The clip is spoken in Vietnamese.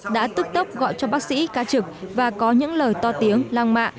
đã tức tốc gọi cho bác sĩ ca trực và có những lời to tiếng lăng mạ